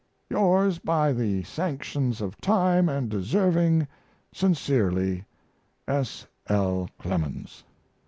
Yours by the sanctions of time & deserving, Sincerely, S. L. CLEMENS.